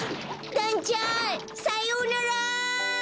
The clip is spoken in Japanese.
だんちゃんさようなら！